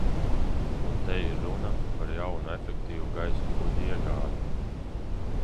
Un te ir runa par jaunu efektīvu gaisa kuģu iegādi.